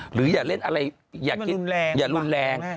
หรืออยากเล่นอะไรอย่าลุ้นแรง